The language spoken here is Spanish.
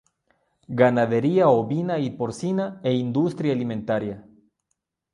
Ganadería ovina y porcina e industria alimentaria.